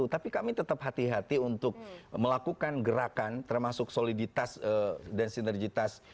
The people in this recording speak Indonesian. tapi kami tetap hati hati untuk melakukan gerakan termasuk soliditas dan sinergitas